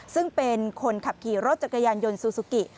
ซึ่งเป็นคนขับขี่รถจักรยานยนต์ซูซูกิ